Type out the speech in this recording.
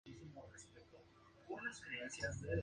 Los dientes tienen crestas verticales secundarias.